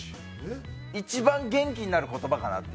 一番元気になる言葉かなと。